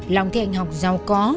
lòng thiện học giàu có